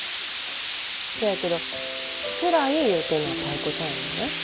せやけどつらい言うてんのはタイ子ちゃんやで。